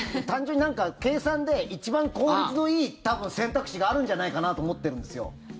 単純に計算で一番効率のいい選択肢があるんじゃないかなと思ってるんですよ。